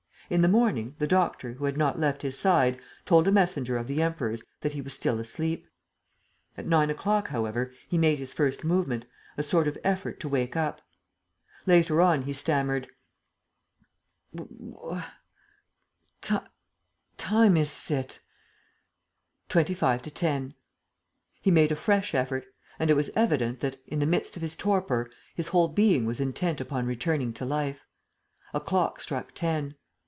In the morning, the doctor, who had not left his side, told a messenger of the Emperor's that he was still asleep. At nine o'clock, however, he made his first movement, a sort of effort to wake up. Later on, he stammered: "What time is it?" "Twenty five to ten." He made a fresh effort; and it was evident that, in the midst of his torpor, his whole being was intent upon returning to life. A clock struck ten.